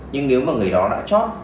nhưng nếu mà người đó đã chót